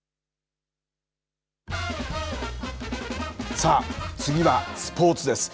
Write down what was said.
さあ、次はスポーツです。